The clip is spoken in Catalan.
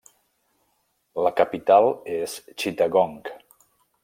La capital és Chittagong.